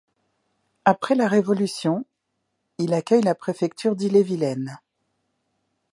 Après la Révolution, il accueille la préfecture d’Ille-et-Vilaine.